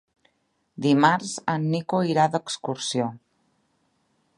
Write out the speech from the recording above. Dimarts en Nico irà d'excursió.